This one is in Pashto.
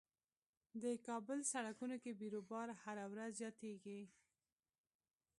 د کابل سړکونو کې بیروبار هر ورځ زياتيږي.